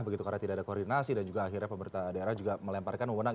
begitu karena tidak ada koordinasi dan juga akhirnya pemerintah daerah juga melemparkan mewenang